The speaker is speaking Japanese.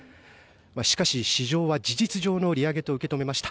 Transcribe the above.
しかし市場は事実上の利上げと受け止めました。